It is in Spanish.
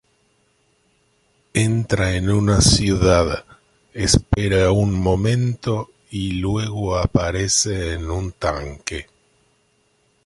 Entra en una ciudad, espera un momento, y luego aparece en un tanque.